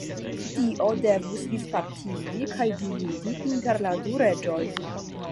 Dio devus dispartigi kaj dividi inter la du reĝoj.